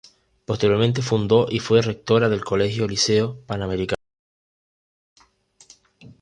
Posteriormente fundó y fue rectora del colegio Liceo Panamericano.